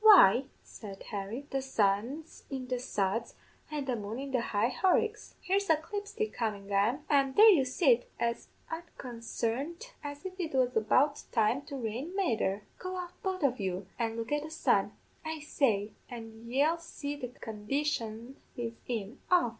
"'Why,' said Harry, 'the sun's in the suds an' the moon in the high Horicks! Here's a clipstick comin' an, an' there you sit as unconsarned as if it was about to rain mether! Go out both of you, an' look at the sun, I say, and ye'll see the condition he's in off!'